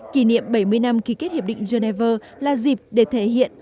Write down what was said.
kỷ niệm bảy mươi năm ký kết hiệp định geneva là dịp để thể hiện